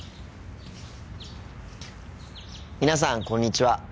皆さんこんにちは。